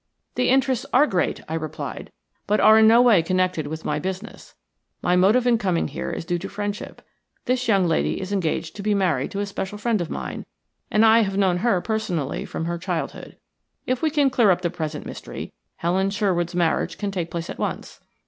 " "The interests are great," I replied, "but are in no way connected with my business. My motive in coming here is due to friendship. This young lady is engaged to be married to a special friend of mine, and I have known her personally from her childhood. If we can clear up the present mystery, Helen Sherwood's marriage can take place at once.